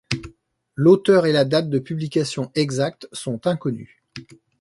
L’auteur et la date de publication exacte sont inconnus.